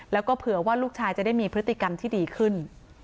แล้วก็เผื่อว่าลูกชายจะได้มีพฤติกรรมที่ดีขึ้น